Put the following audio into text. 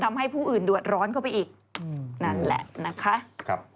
ทำให้ผู้อื่นดวชร้อนเข้าไปอีก